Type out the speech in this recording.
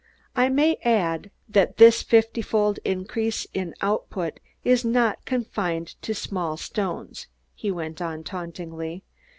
"I may add that this fiftyfold increase in output is not confined to small stones," he went on tauntingly.